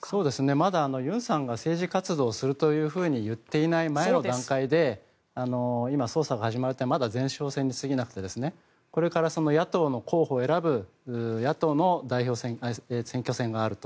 まだユンさんが政治活動をすると言っていない前の段階で今、捜査が始まるというまだ前哨戦に過ぎなくてこれから野党の候補を選ぶ野党の選挙戦があると。